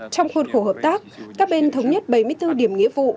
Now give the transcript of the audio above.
trong khuôn khổ hợp tác các bên thống nhất bảy mươi bốn điểm nghĩa vụ